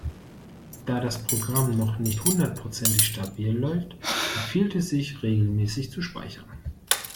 Da das Programm noch nicht hundertprozentig stabil läuft, empfiehlt es sich, regelmäßig zu speichern.